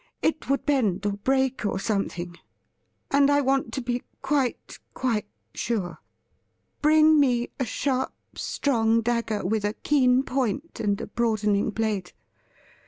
' It would bend, or break, or some 284 THE RIDDLE RING thing, and I want to be quite, quite sure. Bring me a sharp, strong dagger with a keen point and a broadening blade.